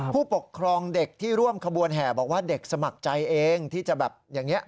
ผู้ปกครองเด็กที่ร่วมขบวนแห่บอกว่าเด็กสมัครใจเองที่จะแบบอย่างนี้